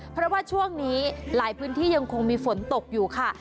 เพราะว่าช่วงนี้หลายพื้นที่ยังคงมีฝนตกอยู่ค่ะ